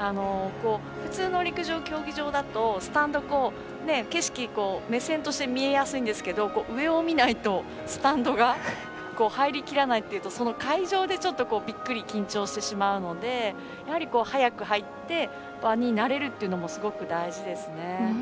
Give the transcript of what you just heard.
普通の陸上競技場だとスタンド、景色目線として見えやすいんですけど上を見ないとスタンドが入りきらないというとその会場で、びっくり緊張してしまうのでやはり早く入って場に慣れるというのもすごく大事ですね。